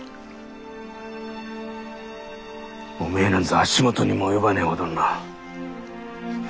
おめえなんぞ足元にも及ばねえほどのな。